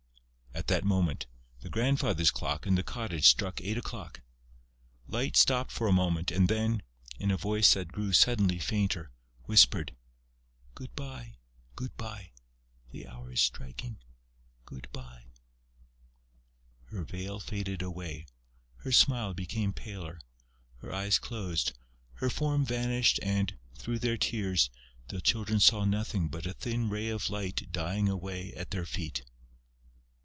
At that moment, the grandfather's clock in the cottage struck eight o'clock. Light stopped for a moment and then, in a voice that grew suddenly fainter, whispered: "Good bye!... Good bye!... The hour is striking!... Good bye!" Her veil faded away, her smile became paler, her eyes closed, her form vanished and, through their tears, the children saw nothing but a thin ray of light dying away at their feet.